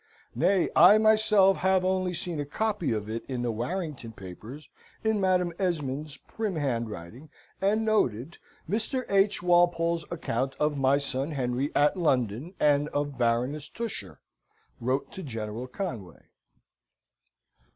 Nay, I myself have only seen a copy of it in the Warrington papers in Madam Esmond's prim handwriting, and noted "Mr. H. Walpole's account of my son Henry at London, and of Baroness Tusher, wrote to General Conway."